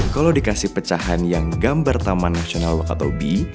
kalau dikasih pecahan yang gambar taman nasional wakatobi